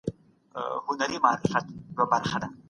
په سرمایه دارۍ کي د سود او سلم هېڅ پروا نه کېږي.